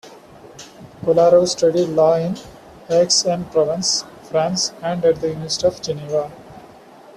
Kolarov studied law in Aix-en-Provence, France, and at the University of Geneva.